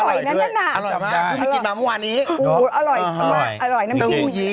อร่อยด้วยอร่อยมาก